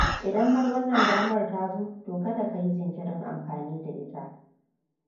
Idan har wannan damar ta zo, to kada ki yi jinkirin amfani da ita.